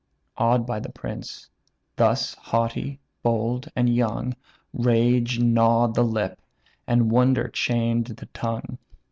Awed by the prince, thus haughty, bold, and young, Rage gnaw'd the lip, and wonder chain'd the tongue.